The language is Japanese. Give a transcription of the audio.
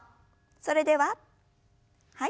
それでははい。